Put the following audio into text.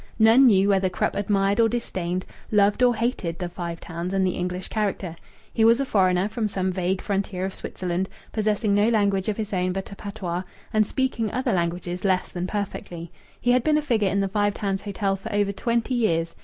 None knew whether Krupp admired or disdained, loved or hated, the Five Towns and the English character. He was a foreigner from some vague frontier of Switzerland, possessing no language of his own but a patois, and speaking other languages less than perfectly. He had been a figure in the Five Towns Hotel for over twenty years.